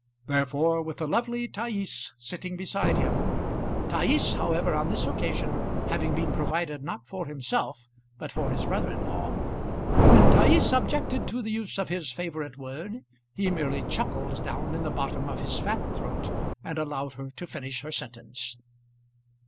Therefore when the lovely Thais sitting beside him, Thais however on this occasion having been provided not for himself but for his brother in law, when Thais objected to the use of his favourite word, he merely chuckled down in the bottom of his fat throat, and allowed her to finish her sentence.